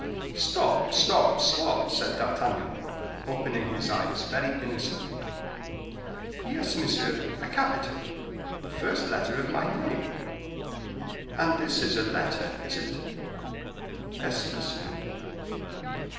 "Stop, stop, stop," said D'Artagnan, opening his eyes very innocently. "Yes, monsieur, a capital; the first letter of my name." "And this is a letter, is it?" "Yes, monsieur."